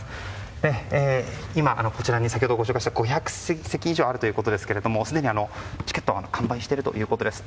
今、こちらに先ほどご紹介した５００席以上あるということですがすでにチケットは完売しているということです。